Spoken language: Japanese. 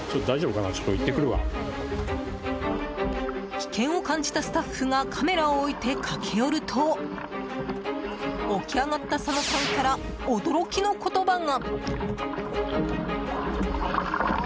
危険を感じたスタッフがカメラを置いて駆け寄ると起き上がった佐野さんから驚きの言葉が。